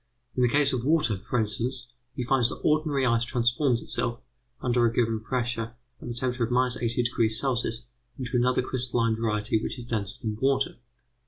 In the case of water, for instance, he finds that ordinary ice transforms itself, under a given pressure, at the temperature of 80° C. into another crystalline variety which is denser than water.